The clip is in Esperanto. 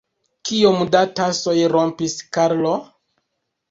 Kiom da tasoj rompis Karlo?